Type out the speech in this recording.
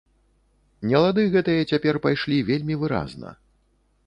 Нелады гэтыя цяпер пайшлі вельмі выразна.